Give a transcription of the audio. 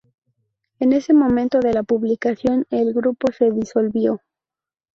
En ese momento de la publicación, el grupo se disolvió.